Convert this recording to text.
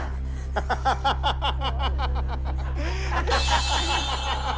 ハハハハハハッ！